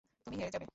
তুমি হেরে যাবে।